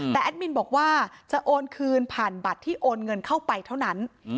แต่แอดมินบอกว่าจะโอนคืนผ่านบัตรที่โอนเงินเข้าไปเท่านั้น